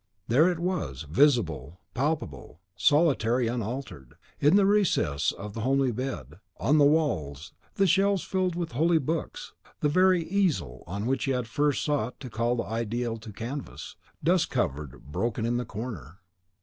There it was, visible, palpable, solitary, unaltered. In the recess, the homely bed; on the walls, the shelves filled with holy books; the very easel on which he had first sought to call the ideal to the canvas, dust covered, broken, in the corner.